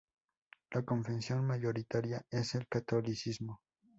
La confesión mayoritaria es el catolicismo.